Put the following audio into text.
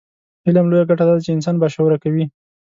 علم لویه ګټه دا ده چې انسان باشعوره کوي.